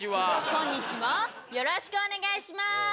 こんにちもよろしくお願いします！